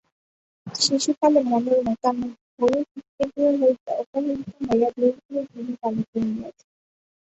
শিশুকালে মনোরমা তাহার ধনী পিতৃগৃহ হইতে অপহৃত হইয়া দরিদ্রের গৃহে পালিত হইয়াছে।